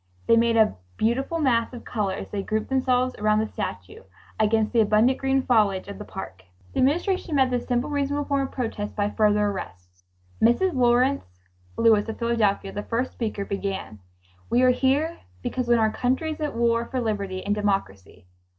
They made a beautiful mass of color as they grouped themselves around the statue, against the abundant green foliage of the park. The Administration met this simple reasonable form of protest by further arrests. Mrs. Lawrence Lewis of Philadelphia, the first speaker, began: "We are here because when our country is at war for liberty and democracy